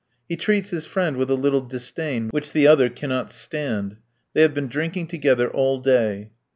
He treats his friend with a little disdain, which the latter cannot stand. They have been drinking together all day.